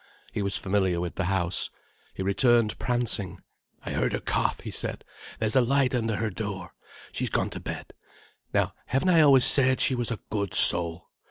He was familiar with the house. He returned prancing. "I heard her cough," he said. "There's a light under her door. She's gone to bed. Now haven't I always said she was a good soul?